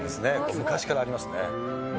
昔からありますね。